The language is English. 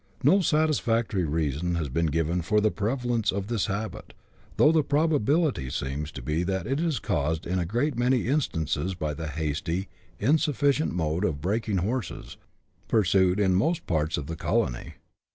No satisfactory reason has been given for the prevalence of this habit, though the probability seems to be that it is caused in a great many instances by the hasty, insufficient mode of break ing horses, pursued in most parts of the colony.